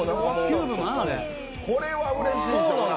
これはうれしいでしょ。